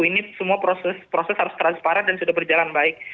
ini semua proses harus transparan dan sudah berjalan baik